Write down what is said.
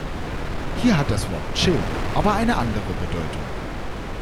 Hier hat das Wort „Chill“ aber eine andere Bedeutung.